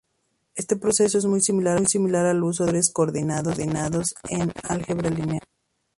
Este proceso es muy similar al uso de vectores coordinados en álgebra lineal.